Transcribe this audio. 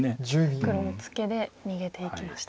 黒もツケで逃げていきました。